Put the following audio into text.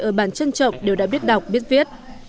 ở bản trân trọng đều đã biết đọc biết viết